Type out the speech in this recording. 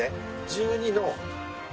１２の。